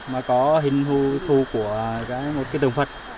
mà có hình thu của một cái tường phật